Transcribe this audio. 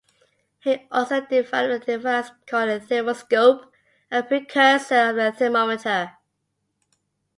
He also developed a device called a "Thermoscope", a precursor of the thermometer.